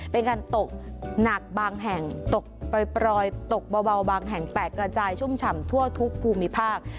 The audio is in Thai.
เป็นการตกหนักบางแห่งตกปล่อยตกเบาบางแห่งแตกระจายชุ่มฉ่ำทั่วทุกภูมิภาค